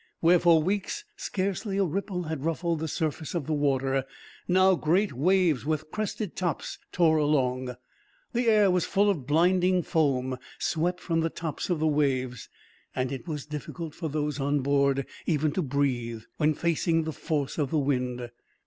Where, for weeks, scarcely a ripple had ruffled the surface of the water; now great waves, with crested tops, tore along. The air was full of blinding foam, swept from the tops of the waves; and it was difficult for those on board even to breathe, when facing the force of the wind.